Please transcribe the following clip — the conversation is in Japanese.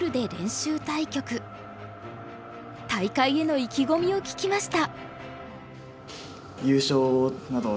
大会への意気込みを聞きました。